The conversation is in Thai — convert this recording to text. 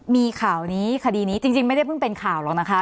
มีข่าวนี้คดีนี้จริงไม่ได้เพิ่งเป็นข่าวหรอกนะคะ